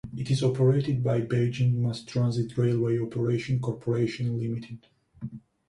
It is operated by Beijing Mass Transit Railway Operation Corporation Limited.